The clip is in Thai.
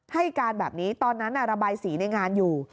ให้การแบบนี้ตอนนั้นระบายสีในงานอยู่